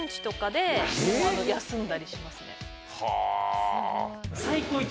はぁ。